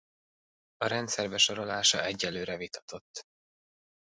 A rendszerbe sorolása egyelőre vitatott.